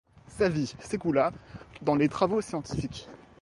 Sa vie s'écoula dans les travaux scientifiques.